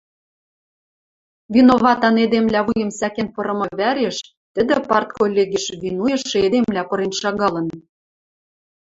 виноватан эдемлӓ вуйым сӓкен пырымы вӓреш тӹдӹ партколлегиш винуйышы эдемлӓ пырен шагалын.